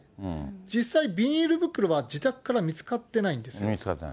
実際、ビニール袋は自宅から見つかってないんですよ。